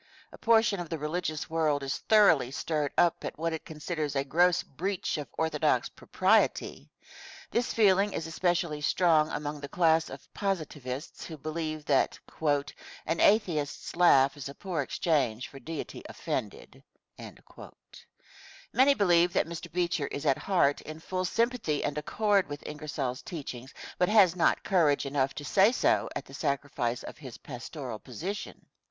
A portion of the religious world is thoroughly stirred up at what it considers a gross breach of orthodox propriety. This feeling is especially strong among the class of positivists who believe that "An Atheist's laugh's a poor exchange For Deity offended." Many believe that Mr. Beecher is at heart in full sympathy and accord with Ingersoll's teachings, but has not courage enough to say so at the sacrifice of his pastoral position.